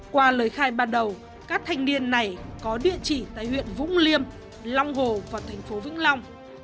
qua lời khai ban đầu các thanh niên này có địa chỉ tại huyện vũng liêm long hồ và thành phố vĩnh long